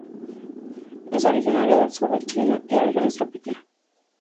Es originario del sur de China y regiones tropicales de Asia.